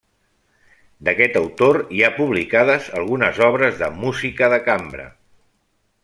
D'aquest autor hi ha publicades algunes obres de música de cambra.